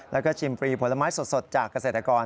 แล้วก็ชิมฟรีผลไม้สดจากเกษตรกร